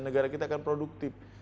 negara kita akan produktif